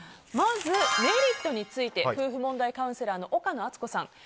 まずメリットについて夫婦問題カウンセラーの岡野あつこさん。